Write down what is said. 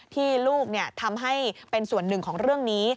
ที่ลูกทำให้เป็นส่วนหนึ่งของเรื่องนี้